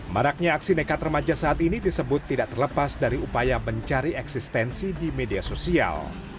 maraknya aksi nekat remaja saat ini disebut tidak terlepas dari upaya mencari eksistensi di media sosial